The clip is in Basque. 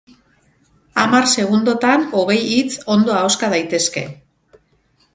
Hamar segundotan hogei hitz ondo ahoska daitezke.